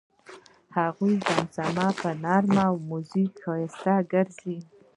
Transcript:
هماغه زمزمه په نر میوزیک ښایسته ګرځي.